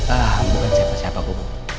ah bukan siapa siapapun